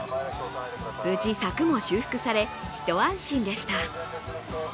無事、柵も修復され一安心でした。